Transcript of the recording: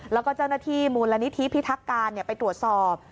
แล้วก็เจ้าหน้าที่มูลนิธิพิทักการไปตรวจสอบ